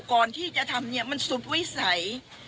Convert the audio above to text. ก่อนที่จะทำมันสุดไว้ใส